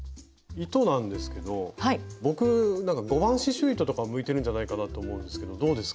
糸なんですけど僕５番刺しゅう糸とか向いてるんじゃないかなと思うんですけどどうですか？